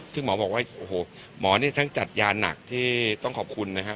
ซึ่งหมอบอกว่าโอ้โหหมอนี่ทั้งจัดยาหนักที่ต้องขอบคุณนะครับ